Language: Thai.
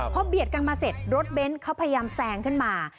พอเบียดกันมาเสร็จรถเบนท์เขาพยายามแซงขึ้นมา